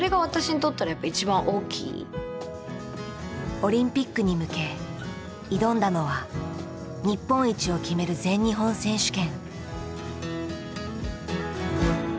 オリンピックに向け挑んだのは日本一を決める全日本選手権。